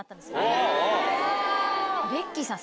ベッキーさん。